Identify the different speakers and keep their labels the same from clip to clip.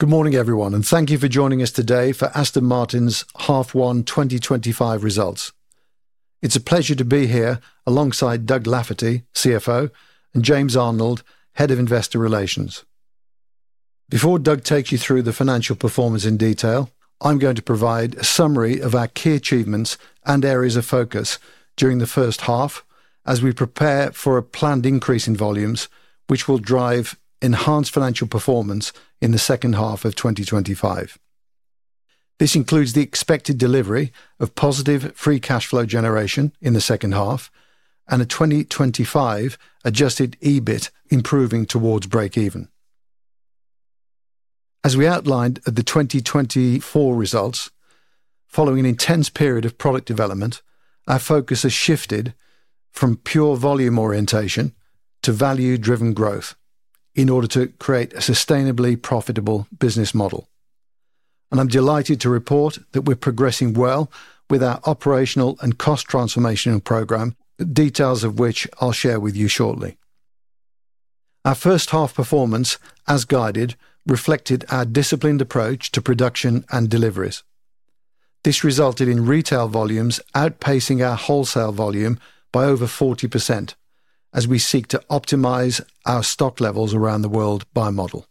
Speaker 1: Good morning everyone, and thank you for joining us today for Aston Martin's half one 2025 results. It's a pleasure to be here alongside Doug Lafferty, CFO, and James Arnold, Head of Investor Relations. Before Doug takes you through the financial performance in detail, I'm going to provide a summary of our key achievements and areas of focus during the first half as we prepare for a planned increase in volumes, which will drive enhanced financial performance in the second half of 2025. This includes the expected delivery of positive free cash flow generation in the second half and a 2025 adjusted EBIT improving towards break-even. As we outlined at the 2024 results, following an intense period of product development, our focus has shifted from pure volume orientation to value-driven growth in order to create a sustainably profitable business model. I'm delighted to report that we're progressing well with our operational and cost transformation program, the details of which I'll share with you shortly. Our first half performance, as guided, reflected our disciplined approach to production and deliveries. This resulted in retail volumes outpacing our wholesale volume by over 40% as we seek to optimize our stock levels around the world by model.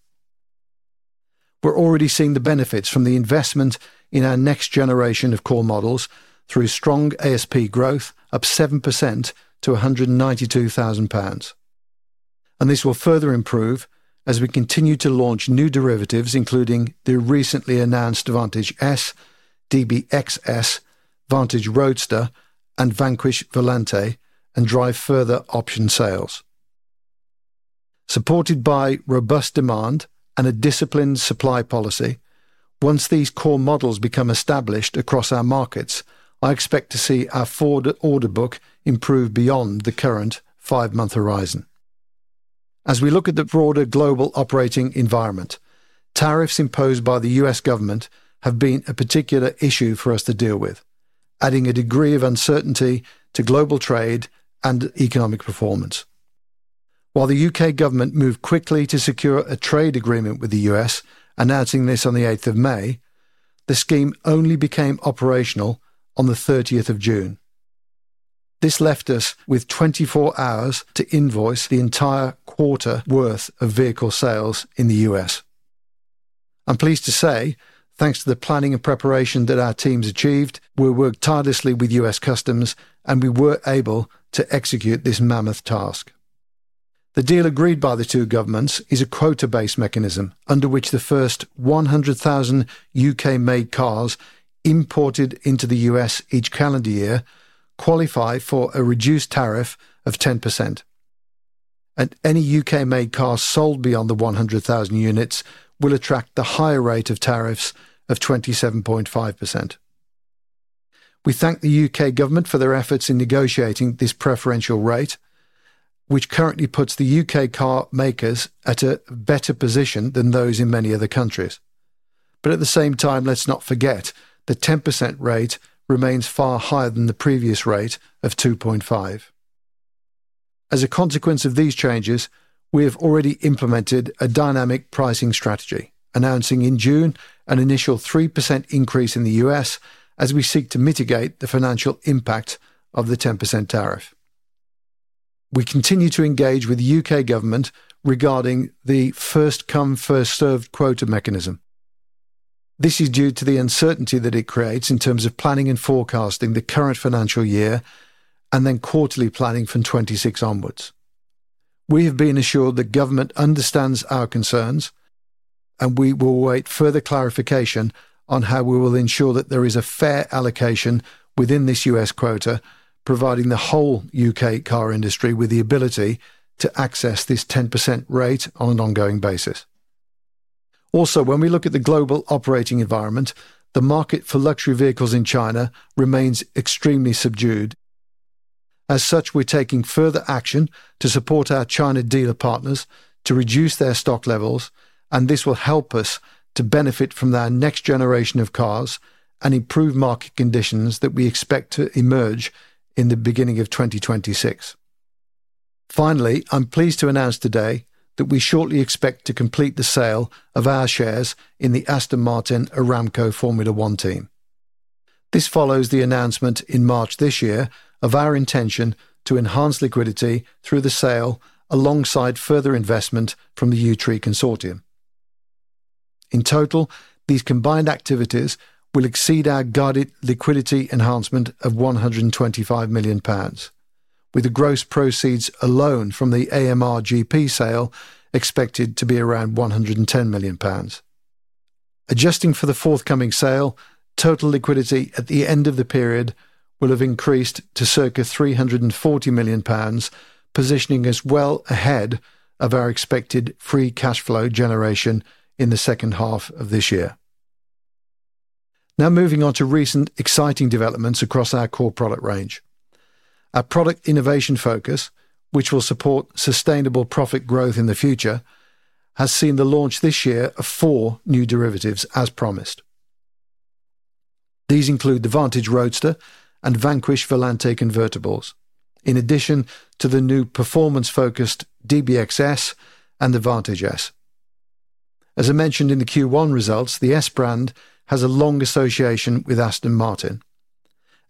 Speaker 1: We're already seeing the benefits from the investment in our next generation of core models through strong ASP growth up 7% to 192,000 pounds. This will further improve as we continue to launch new derivatives, including the recently announced Vantage S, DBX S, Vantage Roadster, and Vanquish Volante, and drive further option sales. Supported by robust demand and a disciplined supply policy, once these core models become established across our markets, I expect to see our forward order book improve beyond the current five-month horizon. As we look at the broader global operating environment, tariffs imposed by the U.S. government have been a particular issue for us to deal with, adding a degree of uncertainty to global trade and economic performance. While the U.K. government moved quickly to secure a trade agreement with the U.S., announcing this on the 8th of May, the scheme only became operational on the 30th of June. This left us with 24 hours to invoice the entire quarter worth of vehicle sales in the U.S. I'm pleased to say, thanks to the planning and preparation that our teams achieved, we worked tirelessly with U.S. customs, and we were able to execute this mammoth task. The deal agreed by the two governments is a quota-based mechanism under which the first 100,000 U.K.-made cars imported into the U.S. each calendar year qualify for a reduced tariff of 10%. Any U.K.-made cars sold beyond the 100,000 units will attract the higher rate of tariffs of 27.5%. We thank the U.K. government for their efforts in negotiating this preferential rate, which currently puts the U.K. car makers in a better position than those in many other countries. At the same time, let's not forget the 10% rate remains far higher than the previous rate of 2.5%. As a consequence of these changes, we have already implemented a dynamic pricing strategy, announcing in June an initial 3% increase in the U.S. as we seek to mitigate the financial impact of the 10% tariff. We continue to engage with the U.K. government regarding the first-come, first-served quota mechanism. This is due to the uncertainty that it creates in terms of planning and forecasting the current financial year and then quarterly planning from 2026 onwards. We have been assured the government understands our concerns, and we will await further clarification on how we will ensure that there is a fair allocation within this U.S. quota, providing the whole U.K. car industry with the ability to access this 10% rate on an ongoing basis. Also, when we look at the global operating environment, the market for luxury vehicles in China remains extremely subdued. As such, we're taking further action to support our China dealer partners to reduce their stock levels, and this will help us to benefit from their next generation of cars and improve market conditions that we expect to emerge in the beginning of 2026. Finally, I'm pleased to announce today that we shortly expect to complete the sale of our shares in the Aston Martin Aramco Formula One Team. This follows the announcement in March this year of our intention to enhance liquidity through the sale alongside further investment from the U3 Consortium. In total, these combined activities will exceed our guided liquidity enhancement of GBP 125 million, with the gross proceeds alone from the AMR GP sale expected to be around 110 million pounds. Adjusting for the forthcoming sale, total liquidity at the end of the period will have increased to circa 340 million pounds, positioning us well ahead of our expected free cash flow generation in the second half of this year. Now moving on to recent exciting developments across our core product range. Our product innovation focus, which will support sustainable profit growth in the future, has seen the launch this year of four new derivatives as promised. These include the Vantage Roadster and Vanquish Volante convertibles, in addition to the new performance-focused DBX S and the Vantage S. As I mentioned in the Q1 results, the S brand has a long association with Aston Martin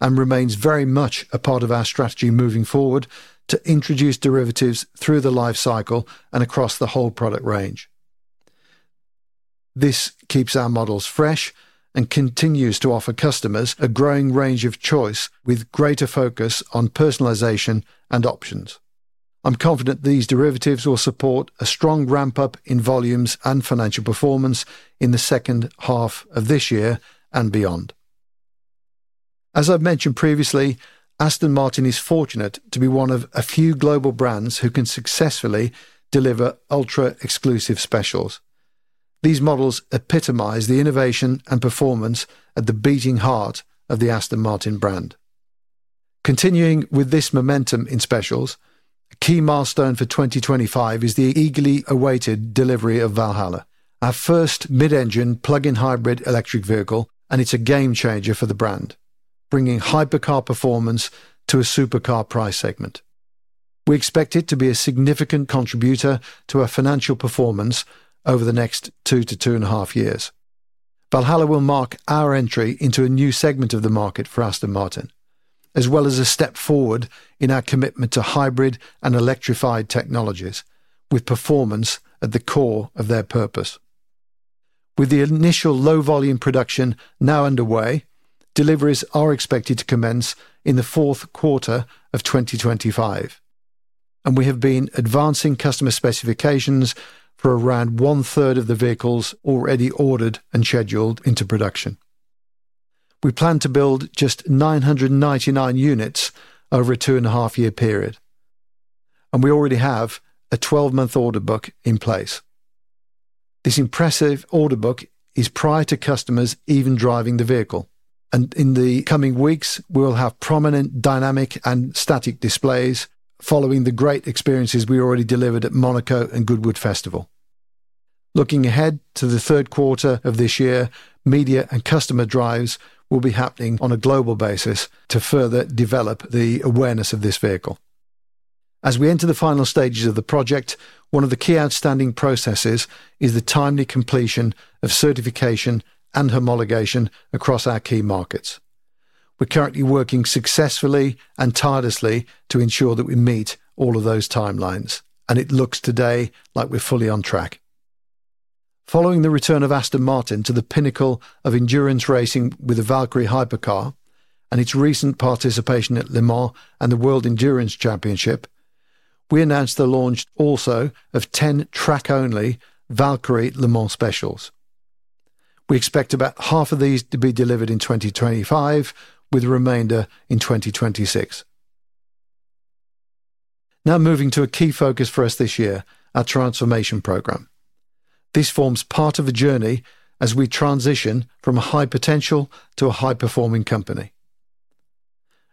Speaker 1: and remains very much a part of our strategy moving forward to introduce derivatives through the lifecycle and across the whole product range. This keeps our models fresh and continues to offer customers a growing range of choice with greater focus on personalization and options. I'm confident these derivatives will support a strong ramp-up in volumes and financial performance in the second half of this year and beyond. As I've mentioned previously, Aston Martin is fortunate to be one of a few global brands who can successfully deliver ultra-exclusive specials. These models epitomize the innovation and performance at the beating heart of the Aston Martin brand. Continuing with this momentum in specials, a key milestone for 2025 is the eagerly awaited delivery of Valhalla, our first mid-engine plug-in hybrid electric vehicle, and it's a game changer for the brand, bringing hypercar performance to a supercar price segment. We expect it to be a significant contributor to our financial performance over the next 2-2.5 years. Valhalla will mark our entry into a new segment of the market for Aston Martin, as well as a step forward in our commitment to hybrid and electrified technologies, with performance at the core of their purpose. With the initial low-volume production now underway, deliveries are expected to commence in the Q4 of 2025. We have been advancing customer specifications for around one-third of the vehicles already ordered and scheduled into production. We plan to build just 999 units over a 2.5 year period. We already have a 12-month order book in place. This impressive order book is prior to customers even driving the vehicle. In the coming weeks, we'll have prominent dynamic and static displays following the great experiences we already delivered at Monaco and Goodwood Festival. Looking ahead to the Q3 of this year, media and customer drives will be happening on a global basis to further develop the awareness of this vehicle. As we enter the final stages of the project, one of the key outstanding processes is the timely completion of certification and homologation across our key markets. We're currently working successfully and tirelessly to ensure that we meet all of those timelines, and it looks today like we're fully on track. Following the return of Aston Martin to the pinnacle of endurance racing with the Valkyrie Hypercar and its recent participation at Le Mans and the World Endurance Championship, we announced the launch also of 10 track-only Valkyrie Le Mans specials. We expect about half of these to be delivered in 2025, with the remainder in 2026. Now moving to a key focus for us this year, our transformation program. This forms part of a journey as we transition from a high-potential to a high-performing company.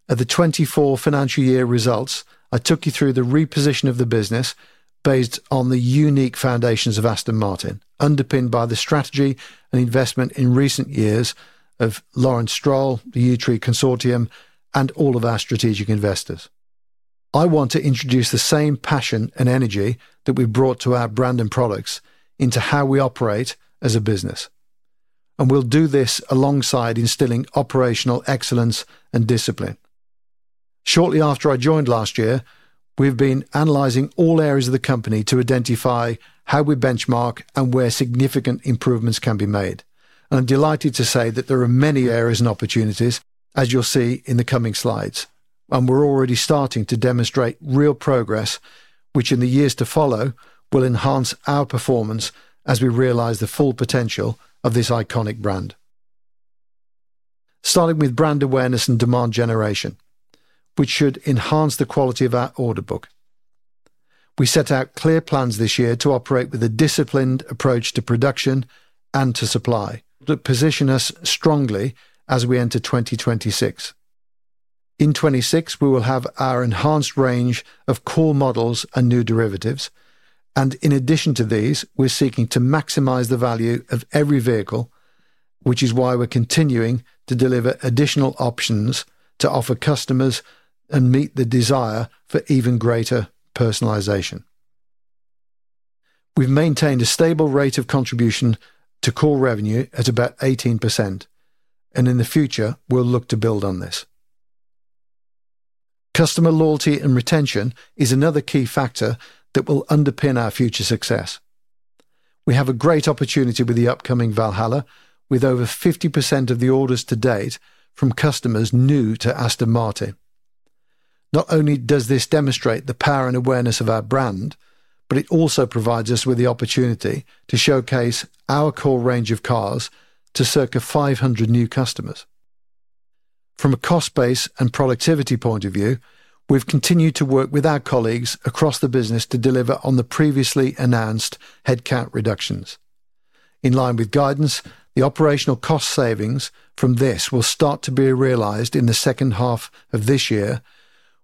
Speaker 1: At the 2024 financial year results, I took you through the reposition of the business based on the unique foundations of Aston Martin, underpinned by the strategy and investment in recent years of Lawrence Stroll, the U3 Consortium, and all of our strategic investors. I want to introduce the same passion and energy that we brought to our brand and products into how we operate as a business. We'll do this alongside instilling operational excellence and discipline. Shortly after I joined last year, we've been analyzing all areas of the company to identify how we benchmark and where significant improvements can be made. I'm delighted to say that there are many areas and opportunities, as you'll see in the coming slides. We're already starting to demonstrate real progress, which in the years to follow will enhance our performance as we realize the full potential of this iconic brand. Starting with brand awareness and demand generation, which should enhance the quality of our order book. We set out clear plans this year to operate with a disciplined approach to production and to supply that position us strongly as we enter 2026. In 2026, we will have our enhanced range of core models and new derivatives. In addition to these, we're seeking to maximize the value of every vehicle, which is why we're continuing to deliver additional options to offer customers and meet the desire for even greater personalization. We've maintained a stable rate of contribution to core revenue at about 18%. In the future, we'll look to build on this. Customer loyalty and retention is another key factor that will underpin our future success. We have a great opportunity with the upcoming Valhalla, with over 50% of the orders to date from customers new to Aston Martin. Not only does this demonstrate the power and awareness of our brand, it also provides us with the opportunity to showcase our core range of cars to circa 500 new customers. From a cost base and productivity point of view, we've continued to work with our colleagues across the business to deliver on the previously announced headcount reductions. In line with guidance, the operational cost savings from this will start to be realized in the second half of this year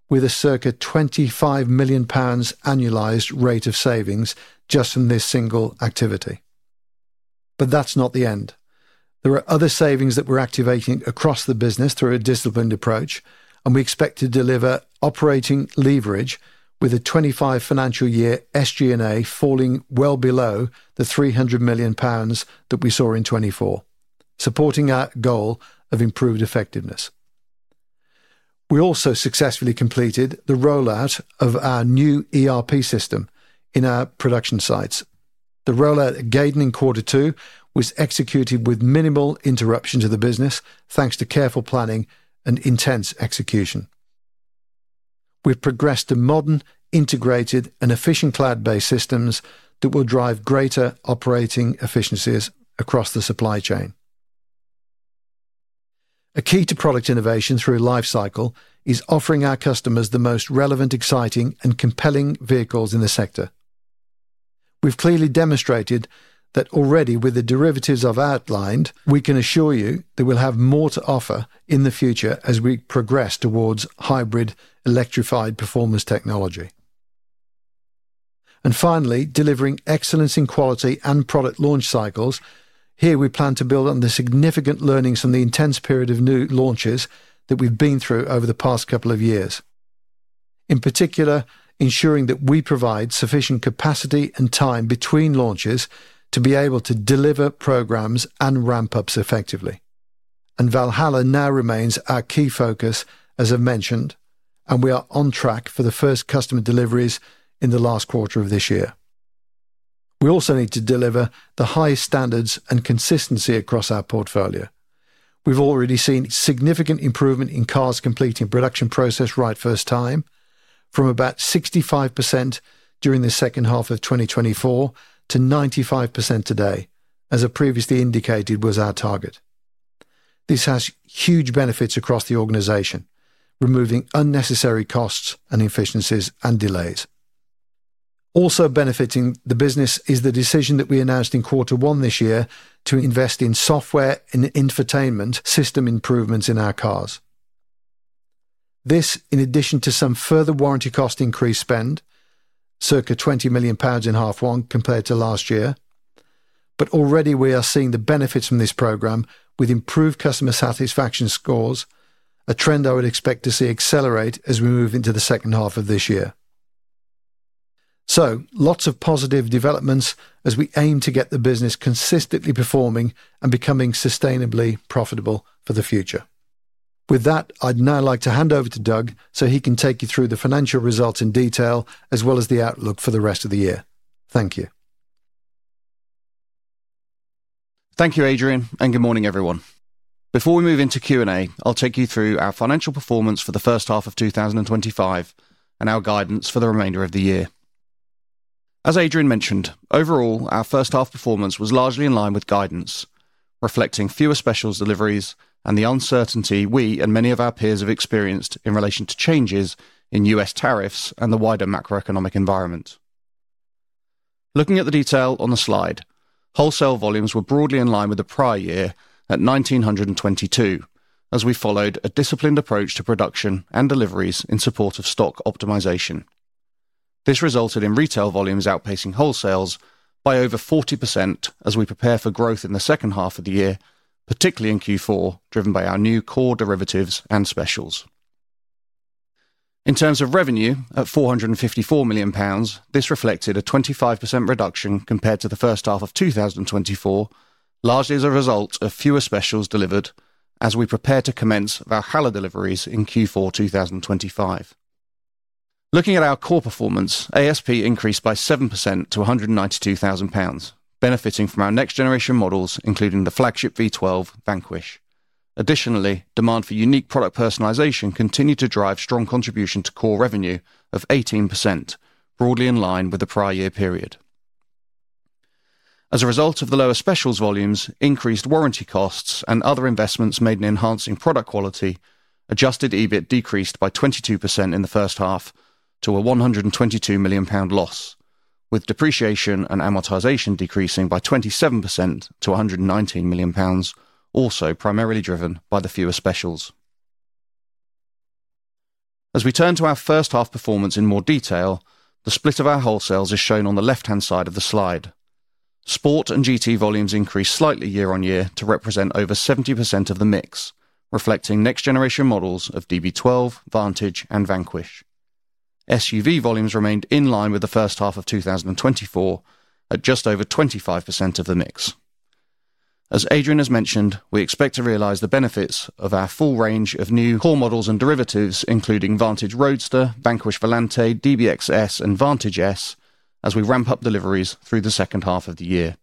Speaker 1: with a circa 25 million pounds annualized rate of savings just from this single activity. There are other savings that we're activating across the business through a disciplined approach, and we expect to deliver operating leverage with a 2025 financial year SG&A falling well below the 300 million pounds that we saw in 2024, supporting our goal of improved effectiveness. We also successfully completed the rollout of our new ERP system in our production sites. The rollout at Gaydon in Q2 was executed with minimal interruptions to the business, thanks to careful planning and intense execution. We've progressed to modern, integrated, and efficient cloud-based systems that will drive greater operating efficiencies across the supply chain. A key to product innovation through lifecycle is offering our customers the most relevant, exciting, and compelling vehicles in the sector. We've clearly demonstrated that already with the derivatives I've outlined, and we can assure you that we'll have more to offer in the future as we progress towards hybrid electrified performance technology. Finally, delivering excellence in quality and product launch cycles, here we plan to build on the significant learnings from the intense period of new launches that we've been through over the past couple of years. In particular, ensuring that we provide sufficient capacity and time between launches to be able to deliver programs and ramp-ups effectively. Valhalla now remains our key focus, as I've mentioned, and we are on track for the first customer deliveries in the last quarter of this year. We also need to deliver the highest standards and consistency across our portfolio. We've already seen significant improvement in cars completing a production process right first time, from about 65% during the second half of 2024 to 95% today, as I previously indicated was our target. This has huge benefits across the organization, removing unnecessary costs, inefficiencies, and delays. Also benefiting the business is the decision that we announced in Q1 this year to invest in software and infotainment system improvements in our cars. This, in addition to some further warranty cost increase spend, circa 20 million pounds in half one compared to last year, but already we are seeing the benefits from this program with improved customer satisfaction scores, a trend I would expect to see accelerate as we move into the second half of this year. Lots of positive developments as we aim to get the business consistently performing and becoming sustainably profitable for the future. With that, I'd now like to hand over to Doug so he can take you through the financial results in detail as well as the outlook for the rest of the year. Thank you.
Speaker 2: Thank you, Adrian, and good morning, everyone. Before we move into Q&A, I'll take you through our financial performance for the first half of 2025 and our guidance for the remainder of the year. As Adrian mentioned, overall, our first half performance was largely in line with guidance, reflecting fewer specials deliveries and the uncertainty we and many of our peers have experienced in relation to changes in U.S. tariffs and the wider macroeconomic environment. Looking at the detail on the slide, wholesale volumes were broadly in line with the prior year at 1,922, as we followed a disciplined approach to production and deliveries in support of stock optimization. This resulted in retail volumes outpacing wholesales by over 40% as we prepare for growth in the second half of the year, particularly in Q4, driven by our new core derivatives and specials. In terms of revenue, at 454 million pounds, this reflected a 25% reduction compared to the first half of 2024, largely as a result of fewer specials delivered as we prepare to commence Valhalla deliveries in Q4 2025. Looking at our core performance, ASP increased by 7% to 192,000 pounds, benefiting from our next-generation models, including the flagship V12 Vanquish. Additionally, demand for unique product personalization continued to drive strong contribution to core revenue of 18%, broadly in line with the prior year period. As a result of the lower specials volumes, increased warranty costs, and other investments made in enhancing product quality, adjusted EBIT decreased by 22% in the first half to a 122 million pound loss, with depreciation and amortization decreasing by 27% to 119 million pounds, also primarily driven by the fewer specials. As we turn to our first half performance in more detail, the split of our wholesales is shown on the left-hand side of the slide. Sport and GT volumes increased slightly year-on-year to represent over 70% of the mix, reflecting next-generation models of DB12, Vantage, and Vanquish Volante. SUV volumes remained in line with the first half of 2024 at just over 25% of the mix. As Adrian has mentioned, we expect to realize the benefits of our full range of new core models and derivatives, including Vantage Roadster, Vanquish Volante, DBX S, and Vantage S, as we ramp-up deliveries through the second half of the year.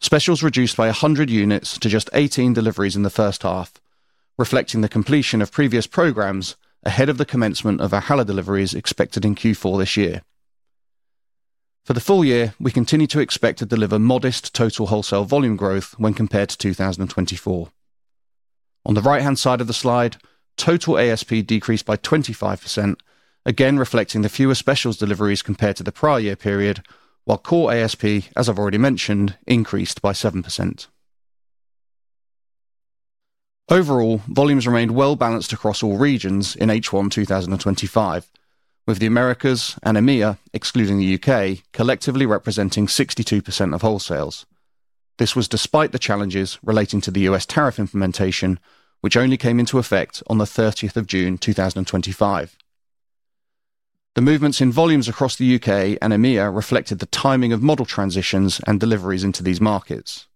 Speaker 2: Specials reduced by 100 units to just 18 deliveries in the first half, reflecting the completion of previous programs ahead of the commencement of Valhalla deliveries expected in Q4 this year. For the full year, we continue to expect to deliver modest total wholesale volume growth when compared to 2024. On the right-hand side of the slide, total ASP decreased by 25%, again reflecting the fewer specials deliveries compared to the prior year period, while core ASP, as I've already mentioned, increased by 7%. Overall, volumes remained well balanced across all regions in H1 2025, with the America's and EMEA, excluding the U.K., collectively representing 62% of wholesales. This was despite the challenges relating to the U.S. tariff implementation, which only came into effect on June 30, 2025. The movements in volumes across the U.K. and EMEA reflected the timing of model transitions and deliveries into these markets.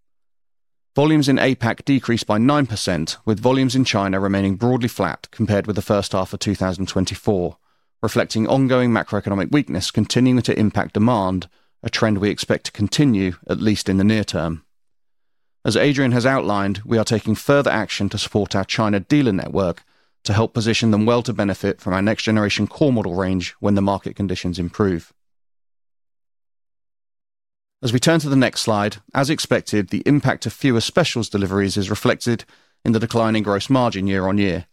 Speaker 2: Volumes in APAC decreased by 9%, with volumes in China remaining broadly flat compared with the first half of 2024, reflecting ongoing macroeconomic weakness continuing to impact demand, a trend we expect to continue at least in the near term. As Adrian has outlined, we are taking further action to support our China dealer network to help position them well to benefit from our next-generation core model range when the market conditions improve. As we turn to the next slide, as expected, the impact of fewer specials deliveries is reflected in the declining gross margin year-on-year.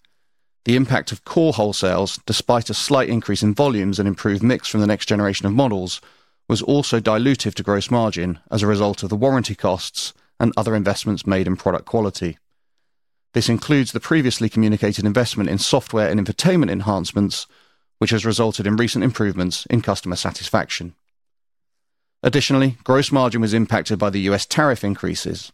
Speaker 2: The impact of core wholesales, despite a slight increase in volumes and improved mix from the next generation of models, was also dilutive to gross margin as a result of the warranty costs and other investments made in product quality. This includes the previously communicated investment in software and infotainment enhancements, which has resulted in recent improvements in customer satisfaction. Additionally, gross margin was impacted by the U.S. tariff increases.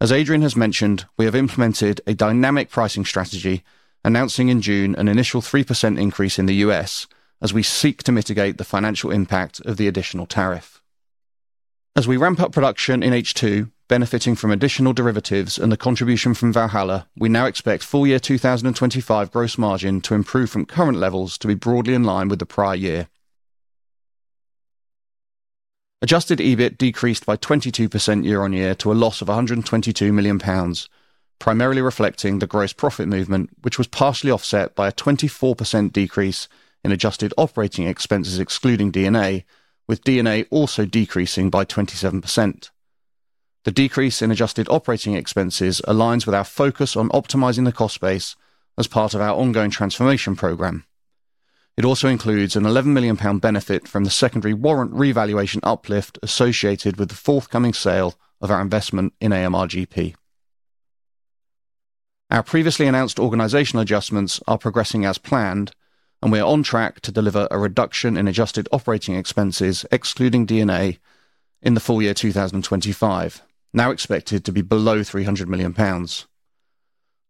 Speaker 2: As Adrian has mentioned, we have implemented a dynamic pricing strategy, announcing in June an initial 3% increase in the U.S. as we seek to mitigate the financial impact of the additional tariff. As we ramp-up production in H2, benefiting from additional derivatives and the contribution from Valhalla, we now expect full-year 2025 gross margin to improve from current levels to be broadly in line with the prior year. Adjusted EBIT decreased by 22% year-on-year to a loss of 122 million pounds, primarily reflecting the gross profit movement, which was partially offset by a 24% decrease in adjusted operating expenses excluding D&A, with D&A also decreasing by 27%. The decrease in adjusted operating expenses aligns with our focus on optimizing the cost base as part of our ongoing transformation program. It also includes an 11 million pound benefit from the secondary warrant revaluation uplift associated with the forthcoming sale of our investment in AMR GP. Our previously announced organizational adjustments are progressing as planned, and we are on track to deliver a reduction in adjusted operating expenses excluding D&A in the full year 2025, now expected to be below 300 million pounds.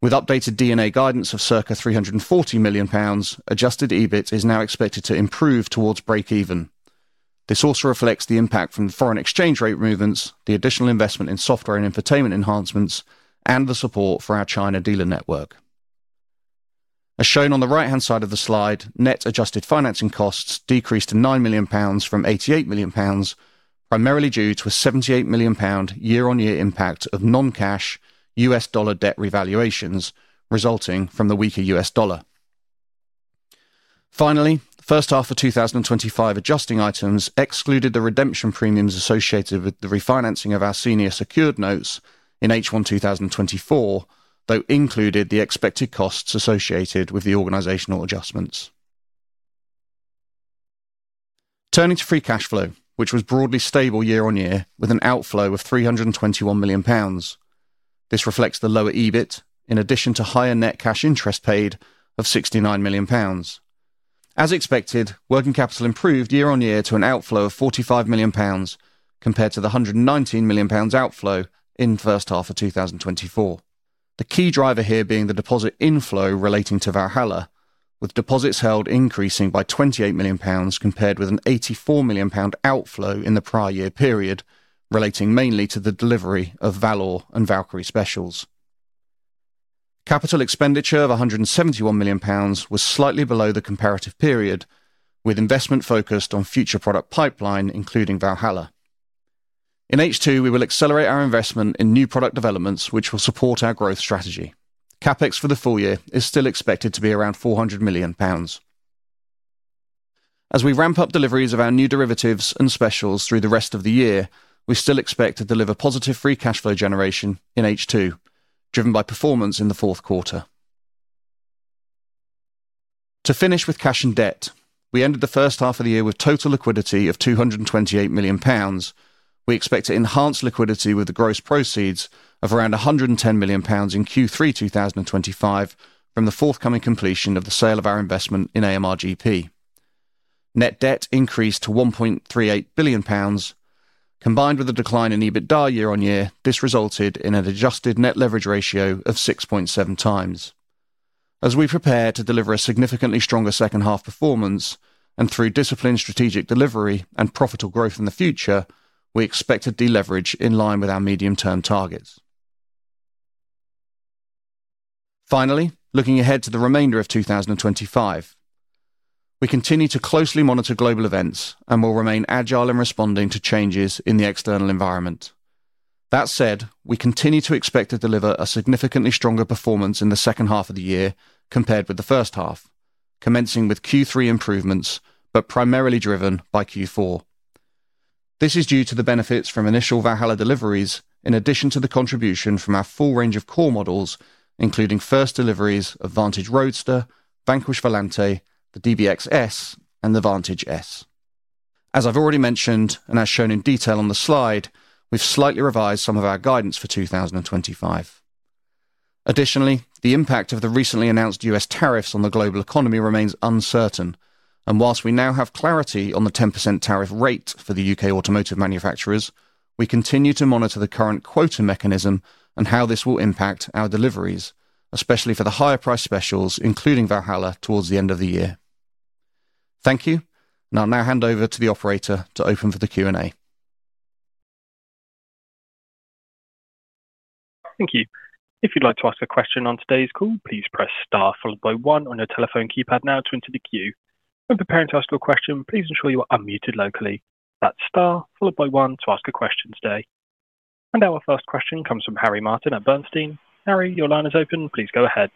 Speaker 2: With updated D&A guidance of circa 340 million pounds, adjusted EBIT is now expected to improve towards break-even. This also reflects the impact from the foreign exchange rate movements, the additional investment in software and infotainment enhancements, and the support for our China dealer network. As shown on the right-hand side of the slide, net adjusted financing costs decreased to 9 million pounds from 88 million pounds, primarily due to a 78 million pound year-on-year impact of non-cash U.S. dollar debt revaluations resulting from the weaker U.S. dollar. Finally, the first half of 2025 adjusting items excluded the redemption premiums associated with the refinancing of our senior secured notes in H1 2024, though included the expected costs associated with the organizational adjustments. Turning to free cash flow, which was broadly stable year-on-year with an outflow of 321 million pounds. This reflects the lower EBIT in addition to higher net cash interest paid of 69 million pounds. As expected, working capital improved year-on-year to an outflow of 45 million pounds compared to the 119 million pounds outflow in the first half of 2024. The key driver here being the deposit inflow relating to Valhalla, with deposits held increasing by 28 million pounds compared with an 84 million pound outflow in the prior year period, relating mainly to the delivery of Valhalla and Valkyrie specials. Capital expenditure of 171 million pounds was slightly below the comparative period, with investment focused on future product pipeline, including Valhalla. In H2, we will accelerate our investment in new product developments, which will support our growth strategy. CapEx for the full year is still expected to be around 400 million pounds. As we ramp-up deliveries of our new derivatives and specials through the rest of the year, we still expect to deliver positive free cash flow generation in H2, driven by performance in the Q4. To finish with cash and debt, we ended the first half of the year with total liquidity of 228 million pounds. We expect to enhance liquidity with the gross proceeds of around 110 million pounds in Q3 2025 from the forthcoming completion of the sale of our investment in AMR GP. Net debt increased to 1.38 billion pounds. Combined with the decline in EBITDA year-on-year, this resulted in an adjusted net leverage ratio of 6.7x. As we prepare to deliver a significantly stronger second half performance and through disciplined strategic delivery and profitable growth in the future, we expect to deleverage in line with our medium-term targets. Finally, looking ahead to the remainder of 2025, we continue to closely monitor global events and will remain agile in responding to changes in the external environment. That said, we continue to expect to deliver a significantly stronger performance in the second half of the year compared with the first half, commencing with Q3 improvements, but primarily driven by Q4. This is due to the benefits from initial Valhalla deliveries in addition to the contribution from our full range of core models, including first deliveries of Vantage Roadster, Vanquish Volante, the DBX S, and the Vantage S. As I've already mentioned, and as shown in detail on the slide, we've slightly revised some of our guidance for 2025. Additionally, the impact of the recently announced U.S. tariffs on the global economy remains uncertain, and whilst we now have clarity on the 10% tariff rate for the U.K. automotive manufacturers, we continue to monitor the current quota mechanism and how this will impact our deliveries, especially for the higher price specials, including Valhalla, towards the end of the year. Thank you. I'll now hand over to the operator to open for the Q&A.
Speaker 3: Thank you. If you'd like to ask a question on today's call, please press star followed by one on your telephone keypad now to enter the queue. When preparing to ask your question, please ensure you are unmuted locally. That's star followed by one to ask a question today. Our first question comes from Harry Martin at Bernstein. Harry, your line is open. Please go ahead.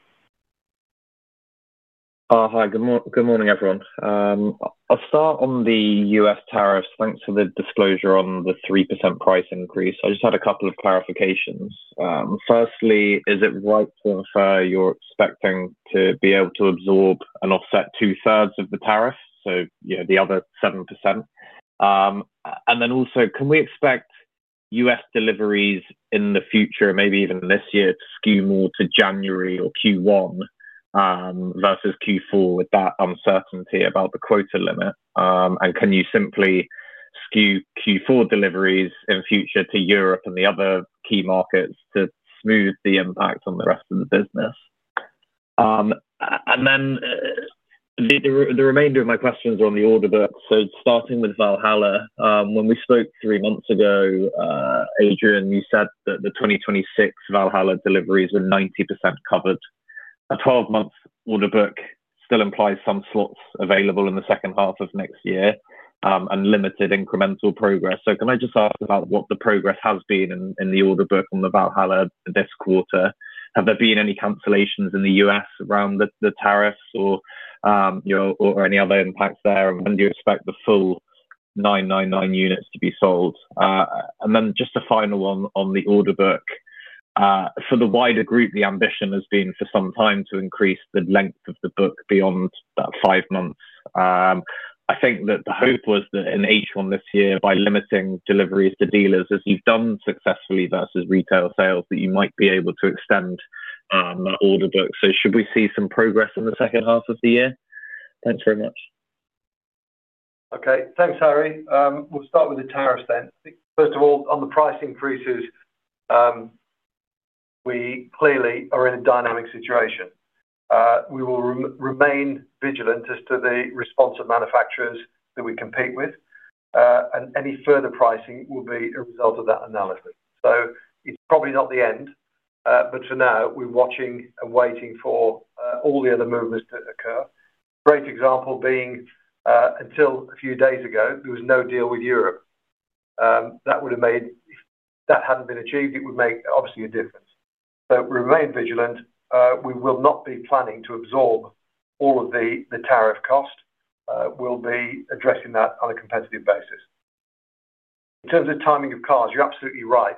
Speaker 4: Hi, good morning, everyone. I'll start on the U.S. tariffs. Thanks for the disclosure on the 3% price increase. I just had a couple of clarifications. Firstly, is it rightful and fair you're expecting to be able to absorb and offset two-thirds of the tariff? You know, the other 7%. Can we expect U.S. deliveries in the future, maybe even this year, to skew more to January or Q1 versus Q4 with that uncertainty about the quota limit? Can you simply skew Q4 deliveries in the future to Europe and the other key markets to smooth the impact on the rest of the business? The remainder of my questions are on the order book. Starting with Valhalla, when we spoke three months ago, Adrian, you said that the 2026 Valhalla deliveries are 90% covered. A 12-month order book still implies some slots available in the second half of next year and limited incremental progress. Can I just ask about what the progress has been in the order book on the Valhalla this quarter? Have there been any cancellations in the U.S. around the tariffs or any other impacts there? Do you expect the full 999 units to be sold? Just a final one on the order book. For the wider group, the ambition has been for some time to increase the length of the book beyond that five months. I think that the hope was that in H1 this year, by limiting deliveries to dealers, as you've done successfully versus retail sales, you might be able to extend that order book. Should we see some progress in the second half of the year? Thanks very much.
Speaker 1: Okay, thanks, Harry. We'll start with the tariffs then. First of all, on the price increases, we clearly are in a dynamic situation. We will remain vigilant as to the response of manufacturers that we compete with, and any further pricing will be a result of that analysis. It's probably not the end, but for now, we're watching and waiting for all the other movements to occur. A great example being, until a few days ago, there was no deal with Europe. If that hadn't been achieved, it would make obviously a difference. We remain vigilant. We will not be planning to absorb all of the tariff cost. We'll be addressing that on a competitive basis. In terms of timing of cars, you're absolutely right.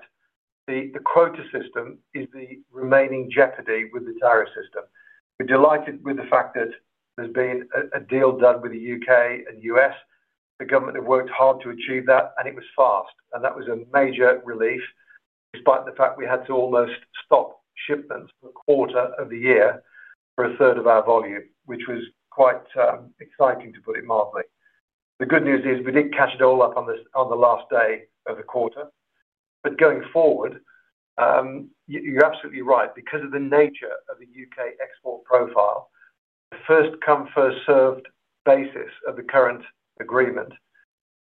Speaker 1: The quota system is the remaining jeopardy with the tariff system. We're delighted with the fact that there's been a deal done with the U.K. and the U.S. The government have worked hard to achieve that, and it was fast, and that was a major relief, despite the fact we had to almost stop shipments for a quarter of the year for 1/3 of our volume, which was quite exciting, to put it mildly. The good news is we did catch it all up on the last day of the quarter. Going forward, you're absolutely right. Because of the nature of the U.K. export profile, the first-come, first-served basis of the current agreement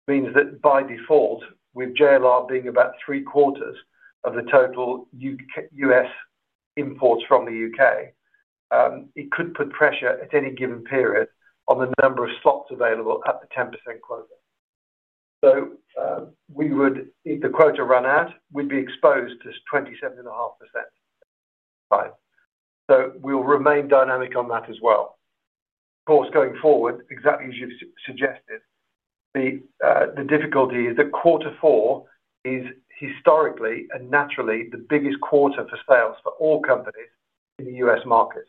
Speaker 1: means that by default, with JLR being about three-quarters of the total U.S. imports from the U.K., it could put pressure at any given period on the number of slots available at the 10% quota. If the quota ran out, we'd be exposed to 27.5%. We'll remain dynamic on that as well. Of course, going forward, exactly as you've suggested, the difficulty is that Q4 is historically and naturally the biggest quarter for sales for all companies in the U.S. market,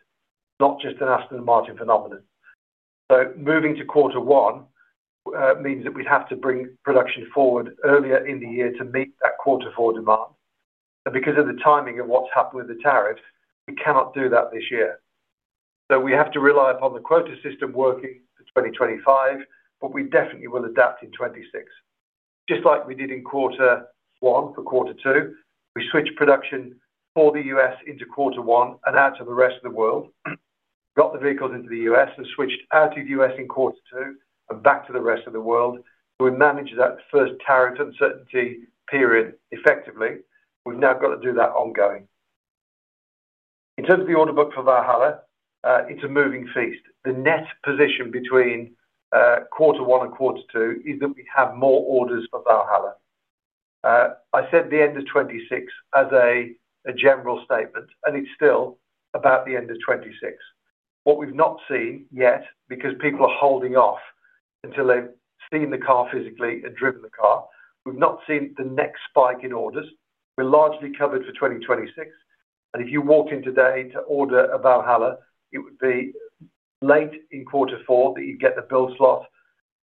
Speaker 1: not just an Aston Martin phenomenon. Moving to Q1 means that we'd have to bring production forward earlier in the year to meet that Q4 demand. Because of the timing of what's happened with the tariffs, we cannot do that this year. We have to rely upon the quota system working for 2025, but we definitely will adapt in 2026. Just like we did in Q1 for Q2, we switched production for the U.S. into Q1 and out of the rest of the world. We got the vehicles into the U.S. and switched out of the U.S. in Q2 and back to the rest of the world. We managed that first tariff uncertainty period effectively. We've now got to do that ongoing. In terms of the order book for Valhalla, it's a moving feast. The net position between Q1 and Q2 is that we have more orders for Valhalla. I said the end of 2026 as a general statement, and it's still about the end of 2026. What we've not seen yet, because people are holding off until they've seen the car physically and driven the car, we've not seen the next spike in orders. We're largely covered for 2026. If you walk in today to order a Valhalla, it would be late in Q4 that you'd get the build slot,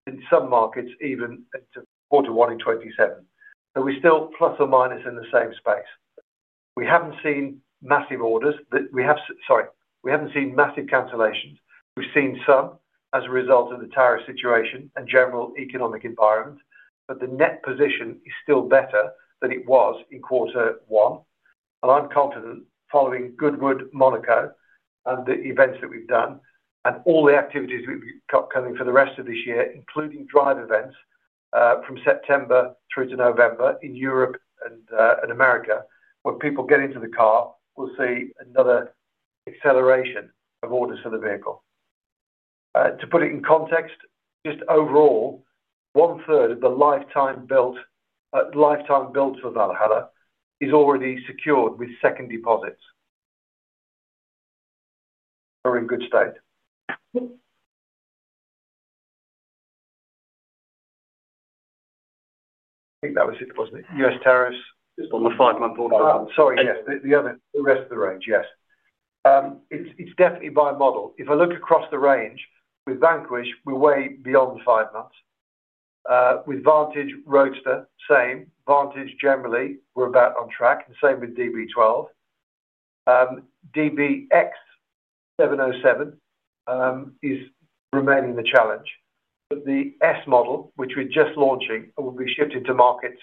Speaker 1: in some markets even to Q1 in 2027. We're still + or - in the same space. We haven't seen massive cancellations. We've seen some as a result of the tariff situation and general economic environment, but the net position is still better than it was in Q1. I'm confident following Goodwood, Monaco, and the events that we've done, and all the activities we've got coming for the rest of this year, including drive events from September through to November in Europe and America, when people get into the car, we'll see another acceleration of orders for the vehicle. To put it in context, just overall, one-third of the lifetime build for Valhalla is already secured with second deposits. We're in good state. I think that was it, wasn't it? U.S. tariffs on the five-month order. Yes, the other rest of the range, yes. It's definitely by model. If I look across the range, with Vanquish Volante, we're way beyond the five months. With Vantage Roadster, same. Vantage, generally, we're about on track, and same with DB12. DBX707 is remaining the challenge. The S model, which we're just launching and will be shifting to markets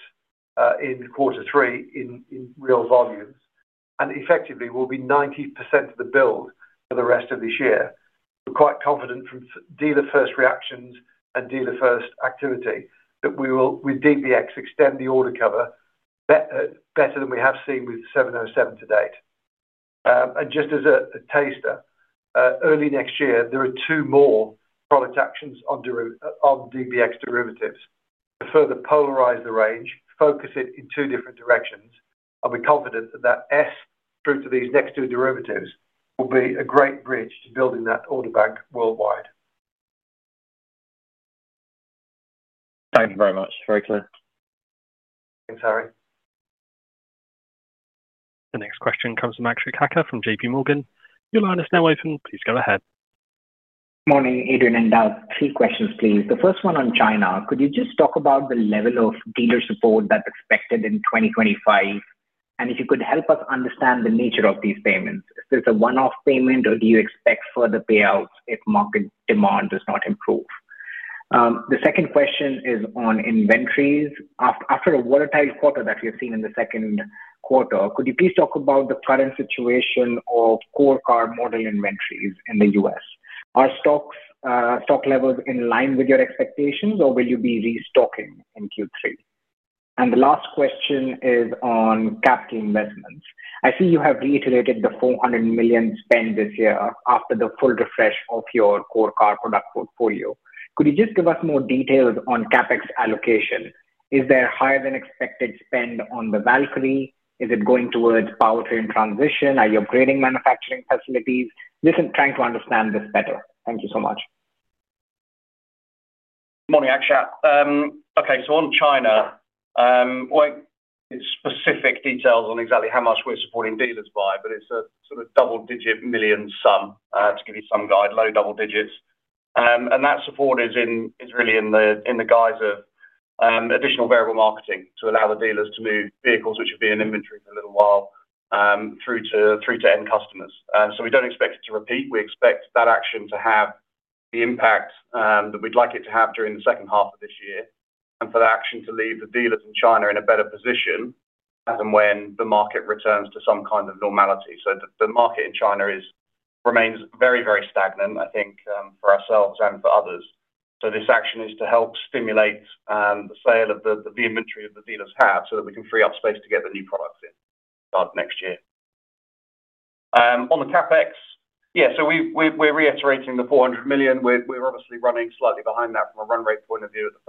Speaker 1: in Q3 in real volume, effectively will be 90% of the build for the rest of this year. We're quite confident from dealer-first reactions and dealer-first activity that we will with DBX extend the order cover better than we have seen with 707 to date. Just as a taster, early next year, there are two more product actions on DBX derivatives to further polarize the range, focus it in two different directions, and we're confident that that S through to these next two derivatives will be a great bridge to building that order bank worldwide.
Speaker 4: Thank you very much. Very clear.
Speaker 1: Thanks, Harry.
Speaker 3: The next question comes from Akshat Kacker from JPMorgan. Your line is now open. Please go ahead.
Speaker 5: Morning, Adrian and Doug. Three questions, please. The first one on China. Could you just talk about the level of dealer support that's expected in 2025? If you could help us understand the nature of these payments, is this a one-off payment, or do you expect further payouts if market demand does not improve? The second question is on inventories. After a volatile quarter that we have seen in the Q2, could you please talk about the current situation of core model inventories in the U.S.? Are stock levels in line with your expectations, or will you be restocking in Q3? The last question is on capital investments. I see you have reiterated the 400 million spend this year after the full refresh of your core car product portfolio. Could you just give us more details on CapEx allocation? Is there a higher than expected spend on the Valkyrie? Is it going towards powertrain transition? Are you upgrading manufacturing facilities? Just trying to understand this better. Thank you so much.
Speaker 1: Morning, Akshat. Okay, on China, we are not giving specific details on exactly how much we're supporting dealers by, but it's a sort of double-digit million sum, to give you some guide, low double-digits. That support is really in the guise of additional variable marketing to allow the dealers to move vehicles, which would be in inventory in a little while, through to end customers. We don't expect it to repeat. We expect that action to have the impact that we'd like it to have during the second half of this year, and for that action to leave the dealers in China in a better position as and when the market returns to some kind of normality. The market in China remains very, very stagnant, I think, for ourselves and for others. This action is to help stimulate the sale of the inventory that the dealers have so that we can free up space to get the new products in starting next year. On the CapEx, we're reiterating the $400 million. We're obviously running slightly behind that from a run rate point of view in the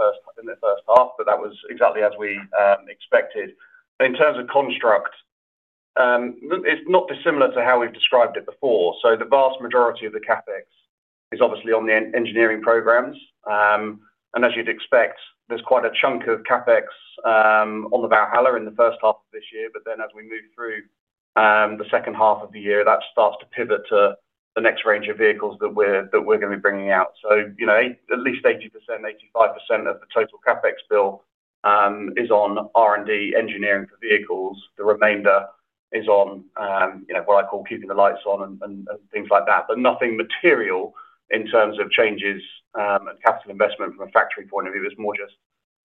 Speaker 1: first half, but that was exactly as we expected. In terms of construct, it's not dissimilar to how we've described it before. The vast majority of the CapEx is obviously on the engineering programs. As you'd expect, there's quite a chunk of CapEx on the Valhalla in the first half of this year, but as we move through the second half of the year, that starts to pivot to the next range of vehicles that we're going to be bringing out. At least 80%, 85% of the total CapEx bill is on R&D engineering for vehicles. The remainder is on what I call keeping the lights on and things like that. Nothing material in terms of changes in capital investment from a factory point of view. It's more just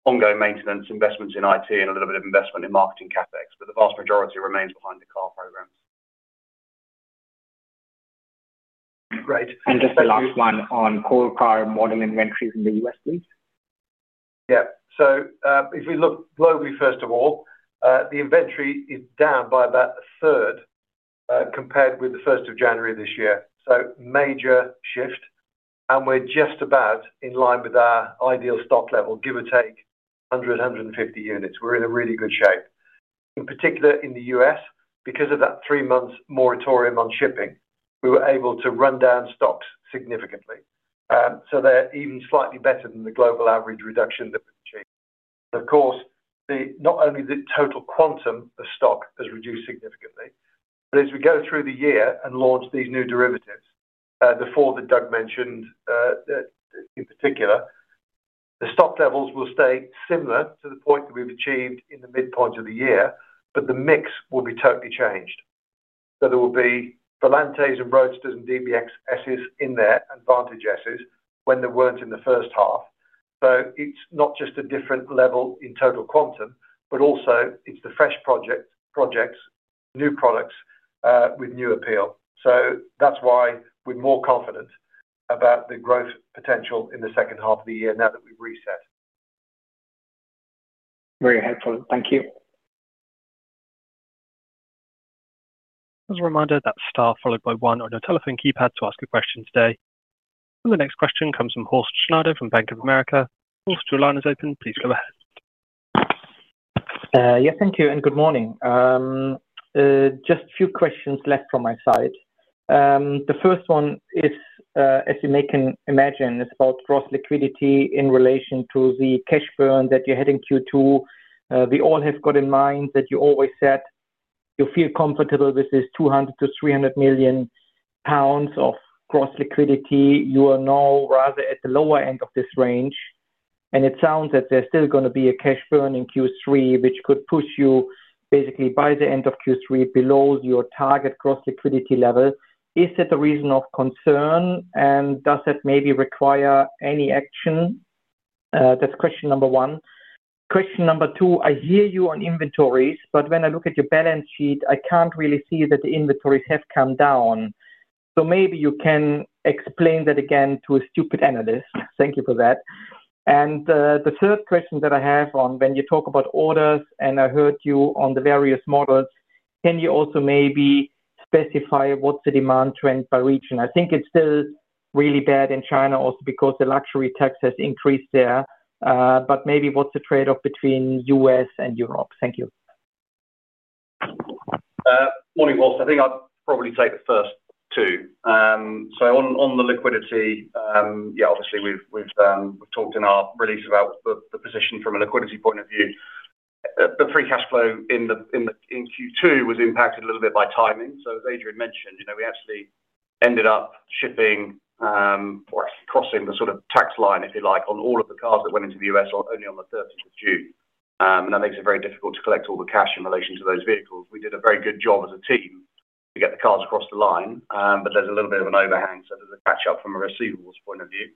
Speaker 1: ongoing maintenance, investments in IT, and a little bit of investment in marketing CapEx, but the vast majority remains behind the car program.
Speaker 5: Great. Just the last one on core car model inventories in the US, please. Yeah. If we look globally, first of all, the inventory is down by about 1/3 compared with 1st of January this year. Major shift. We're just about in line with our ideal stock level, give or take 100 units, 150 units. We're in really good shape. In particular, in the U.S., because of that three-month moratorium on shipping, we were able to run down stocks significantly. They're even slightly better than the global average reduction that we've achieved. Of course, not only has the total quantum of stock reduced significantly, but as we go through the year and launch these new derivatives, the four that Doug mentioned in particular, the stock levels will stay similar to the point that we've achieved in the midpoint of the year, but the mix will be totally changed.
Speaker 1: There will be Vanquish Volantes and Vantage Roadsters and DBX S models in there and Vantage S models when they weren't in the first half. It's not just a different level in total quantum, but also it's the fresh projects, new products with new appeal. That's why we're more confident about the growth potential in the second half of the year now that we've reset.
Speaker 5: Very helpful. Thank you.
Speaker 3: As a reminder, that's star followed by one on your telephone keypad to ask a question today. The next question comes from Horst Schneider from Bank of America. Horst Schneider, your line is open. Please go ahead.
Speaker 6: Yeah, thank you, and good morning. Just a few questions left from my side. The first one is, as you may imagine, it's about cross liquidity in relation to the cash burn that you had in Q2. We all have got in mind that you always said you feel comfortable with this 200 to 300 million pounds of cross liquidity. You are now rather at the lower end of this range. It sounds that there's still going to be a cash burn in Q3, which could push you basically by the end of Q3 below your target cross liquidity level. Is it a reason of concern, and does that maybe require any action? That's question number one. Question number two, I hear you on inventories, but when I look at your balance sheet, I can't really see that the inventories have come down. Maybe you can explain that again to a stupid analyst. Thank you for that. The third question that I have on when you talk about orders, and I heard you on the various models, can you also maybe specify what's the demand trend by region? I think it's still really bad in China also because the luxury tax has increased there, but maybe what's the trade-off between the U.S. and Europe? Thank you.
Speaker 1: Morning, Horst Schneider. I think I'd probably take the first two. On the liquidity, yeah, obviously we've talked in our release about the position from a liquidity point of view. The free cash flow in Q2 was impacted a little bit by timing. As Adrian mentioned, you know, we actually ended up shipping or crossing the sort of tax line, if you like, on all of the cars that went into the U.S. only on the 30th of June. That makes it very difficult to collect all the cash in relation to those vehicles. We did a very good job as a team to get the cars across the line, but there's a little bit of an overhang, so there's a catch-up from a receivables point of view.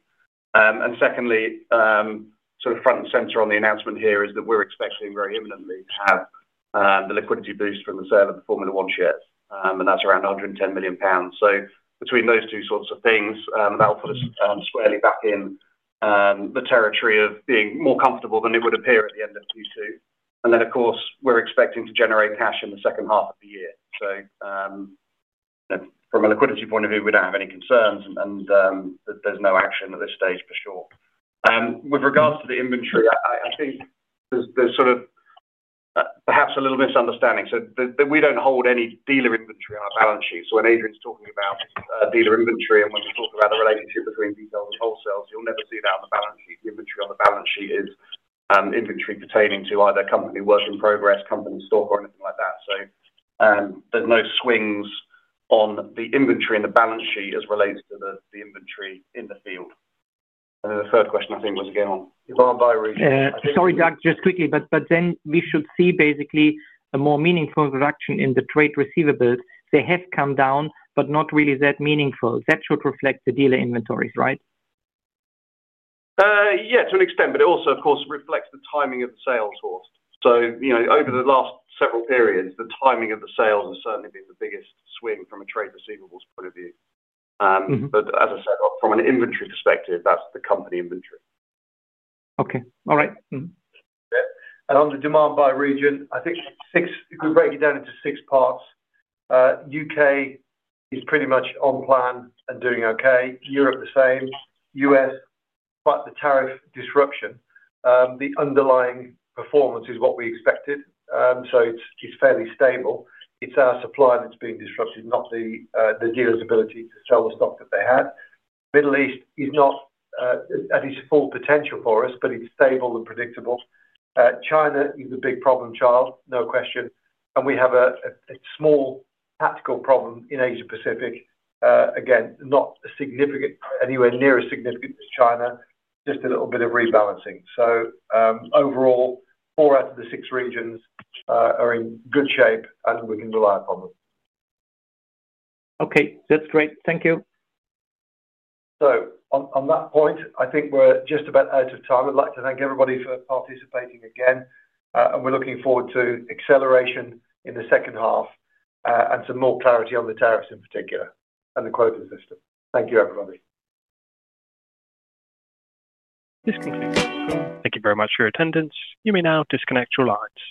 Speaker 1: Secondly, front and center on the announcement here is that we're expecting very imminently to have the liquidity boost from the sale of the Formula One shares, and that's around 110 million pounds. Between those two sorts of things, that will put us squarely back in the territory of being more comfortable than it would appear at the end of Q2. Of course, we're expecting to generate cash in the second half of the year. From a liquidity point of view, we don't have any concerns, and there's no action at this stage for sure. With regards to the inventory, I think there's perhaps a little misunderstanding. We don't hold any dealer inventory on our balance sheet. When Adrian's talking about dealer inventory and when we talk about the relationship between retail and wholesales, you'll never see that on the balance sheet. The inventory on the balance sheet is inventory pertaining to either company work in progress, company stock, or anything like that. There's no swings on the inventory in the balance sheet as relates to the inventory in the field. The third question, I think, was again on.
Speaker 7: Sorry, Doug, just quickly, we should see basically a more meaningful reduction in the trade receivables. They have come down, but not really that meaningful. That should reflect the dealer inventories, right?
Speaker 1: Yeah, to an extent, but it also, of course, reflects the timing of the sales, Horst Schneider. You know, over the last several periods, the timing of the sales has certainly been the biggest swing from a trade receivables point of view. As I said, from an inventory perspective, that's the company inventory.
Speaker 7: Okay, all right.
Speaker 1: On the demand by region, I think it could break it down into six parts. U.K. is pretty much on plan and doing okay. Europe the same. U.S., with the tariff disruption, the underlying performance is what we expected. It is fairly stable. It is our supply that's being disrupted, not the dealer's ability to sell the stock that they had. Middle East is not at its full potential for us, but it is stable and predictable. China is a big problem child, no question. We have a small tactical problem in Asia-Pacific. Again, not significant, anywhere near as significant as China, just a little bit of rebalancing. Overall, four out of the six regions are in good shape, and we can rely upon them.
Speaker 3: Okay, that's great. Thank you.
Speaker 1: On that point, I think we're just about out of time. I'd like to thank everybody for participating again, and we're looking forward to acceleration in the second half and some more clarity on the tariffs in particular and the quota system. Thank you, everybody.
Speaker 3: This concludes our call. Thank you very much for your attendance. You may now disconnect your lines.